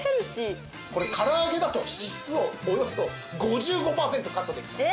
唐揚げだと脂質をおよそ５５パーセントカットできます。